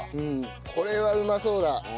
これはうまそうだ。